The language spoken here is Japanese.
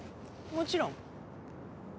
もちろん。